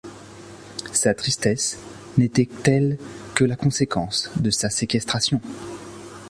Sa tristesse n’était-elle que la conséquence de sa séquestration